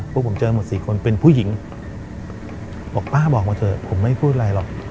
พวกผมเจอหมดสี่คนเป็นผู้หญิงบอกป้าบอกมาเถอะผมไม่พูดอะไรหรอก